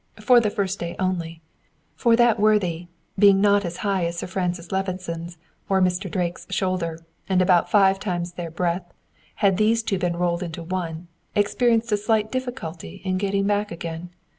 For the first day only; for that worthy, being not as high as Sir Francis Levison's or Mr. Drake's shoulder, and about five times their breadth, had those two been rolled into one, experienced a slight difficulty in getting back again.